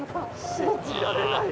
信じられない。